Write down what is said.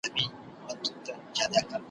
له جاپان تر اروپا مي تجارت دی ,